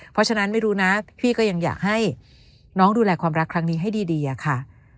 เพราะฉะนั้นไม่รู้นะพี่ก็ยังอยากให้น้องดูแลความรักครั้งนี้ให้ดีอะค่ะ